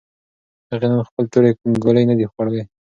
هغې نن خپلې ټولې ګولۍ نه دي خوړلې.